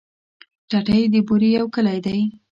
ټټۍ د بوري يو کلی دی.